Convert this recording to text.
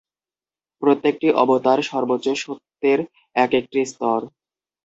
প্রত্যেকটি অবতার সর্বোচ্চ সত্যের এক একটি স্তর।